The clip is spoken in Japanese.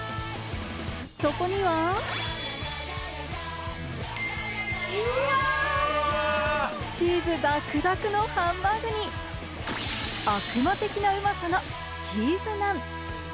そこには、チーズだくだくのハンバーグに、悪魔的なうまさのチーズナン。